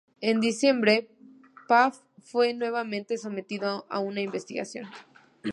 En diciembre, Paf fue nuevamente sometido a una investigación.